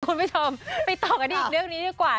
คุณผู้ชมไปต่อกันที่อีกเรื่องนี้ดีกว่า